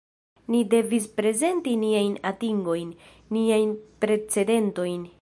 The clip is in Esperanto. Ni devis prezenti niajn atingojn, niajn precedentojn.